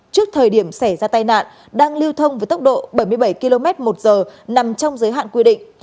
trước thời điểm xảy ra tai nạn đang lưu thông với tốc độ bảy mươi bảy kmh nằm trong giới hạn quy định